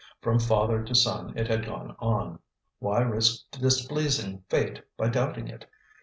From father to son it had gone on. Why risk displeasing fate by doubting it?